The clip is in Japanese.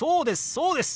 そうです！